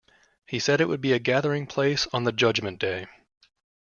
He said it would be a gathering place on the Judgement Day.